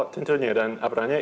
tentunya dan apalagi